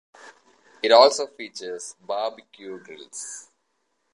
It also features barbecue grills.